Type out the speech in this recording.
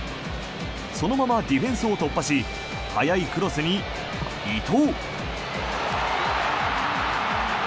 そのままディフェンスを突破し速いクロスに伊東。